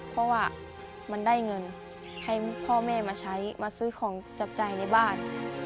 เพราะว่ามันได้เงินให้พ่อแม่มาใช้มาซื้อของจับจ่ายในบ้าน